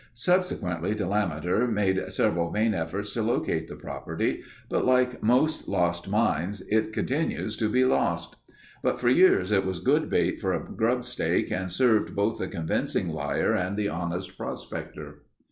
Subsequently Delameter made several vain efforts to locate the property, but like most lost mines it continues to be lost. But for years it was good bait for a grubstake and served both the convincing liar and the honest prospector.